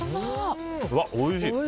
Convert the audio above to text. おいしい。